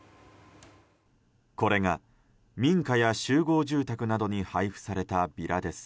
これが民家や集合住宅などに配布されたビラです。